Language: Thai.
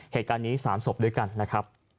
เหตุการณ์นี้๓ศพด้วยกันนะครับ